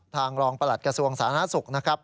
รองประหลัดกระทรวงสาธารณสุขนะครับ